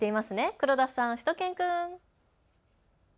黒田さん、しゅと犬くん。